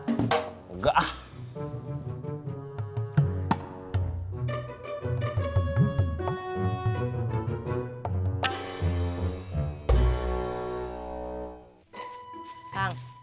nebelin kumisnya yang rapih